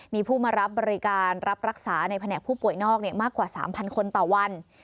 มีผู้มารับบริการรับรักษาในแผนกผู้ป่วยนอกมากกว่า๓๐๐คนต่อวัน